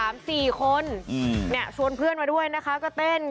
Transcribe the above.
สี่คนอืมเนี่ยชวนเพื่อนมาด้วยนะคะก็เต้น